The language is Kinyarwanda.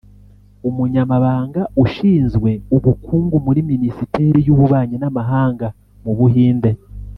Umunyamabanga ushinzwe ubukungu muri Minisiteri y’Ububanyi n’amahanga mu Buhinde